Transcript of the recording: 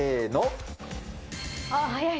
ああ、早い。